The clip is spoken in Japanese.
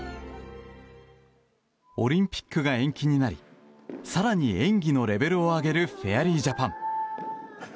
オリンピックが延期になり更に演技のレベルを上げるフェアリージャパン。